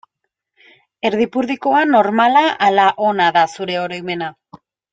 Erdipurdikoa, normala ala ona da zure oroimena?